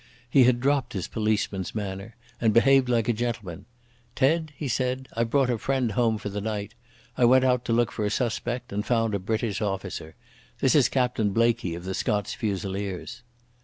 He had dropped his policeman's manner, and behaved like a gentleman. "Ted," he said, "I've brought a friend home for the night. I went out to look for a suspect and found a British officer. This is Captain Blaikie, of the Scots Fusiliers."